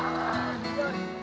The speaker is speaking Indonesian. jangan lupa pak